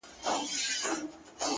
په پوهېږمه که نه د وجود ساز دی’